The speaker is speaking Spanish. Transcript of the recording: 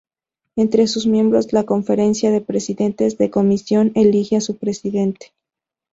Entre sus miembros la Conferencia de Presidentes de Comisión elige a su presidente.